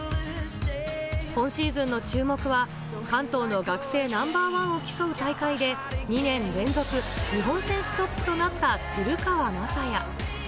今シーズンの注目は関東の学生ナンバーワンを競う大会で、２年連続日本選手トップとなった鶴川正也。